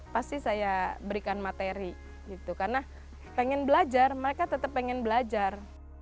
pasti saya berikan materi karena pengen belajar mereka tetap pengen belajar